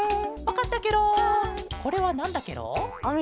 これはなんだケロ？